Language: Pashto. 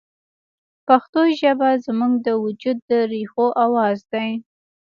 پښتو ژبه زموږ د وجود د ریښو اواز دی